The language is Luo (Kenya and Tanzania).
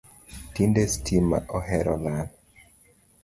Tinde stima ohero lal